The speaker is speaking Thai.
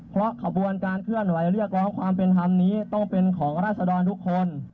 เพราะขบวนการเคลื่อนไหวเรียกร้องความเป็นธรรมนี้ต้องเป็นของราศดรทุกคน